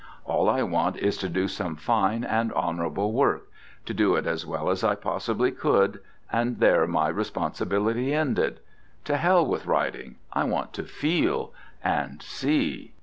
All I want is to do some fine and honourable work, to do it as well as I possibly could, and there my responsibility ended.... To hell with writing, I want to feel and see!